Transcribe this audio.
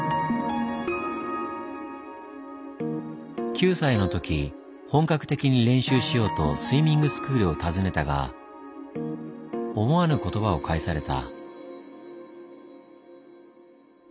９歳の時本格的に練習しようとスイミングスクールを訪ねたが思わぬ言葉を返された。